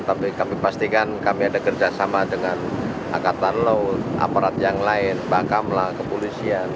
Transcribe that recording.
tapi kami pastikan kami ada kerjasama dengan angkatan laut aparat yang lain bakamla kepolisian